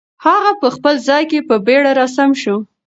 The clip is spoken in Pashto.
هغه په خپل ځای کې په بیړه را سم شو.